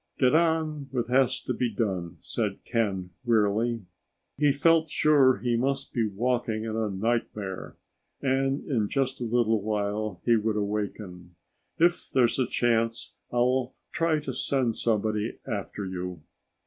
"Get on with what has to be done," said Ken wearily. He felt sure he must be walking in a nightmare and in just a little while he would awaken. "If there's a chance, I'll try to send somebody after you."